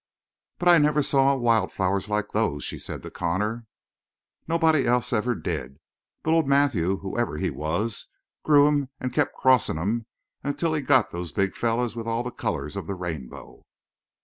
"But I never saw wild flowers like those," she said to Connor. "Nobody else ever did. But old Matthew, whoever he was, grew 'em and kept crossing 'em until he got those big fellows with all the colors of the rainbow."